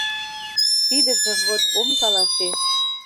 — Тидыжым вот ом каласе.